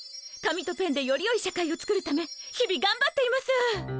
紙とペンでより良い社会を作るため日々頑張っています！